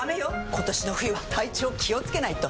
今年の冬は体調気をつけないと！